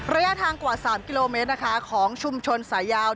ระยะทางกว่า๓กิโลเมตรนะคะของชุมชนสายยาว